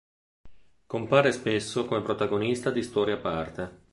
Compare spesso come protagonista di storie a parte.